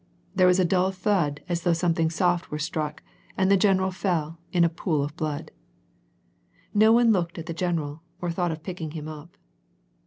There was a dull thud as thoogb something soft were struck, and the general fell in a pool of blood. No one looked at the general or thought of picking him up.